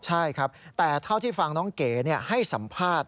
ใช่ครับแต่เท่าที่ฟังน้องเก๋ให้สัมภาษณ์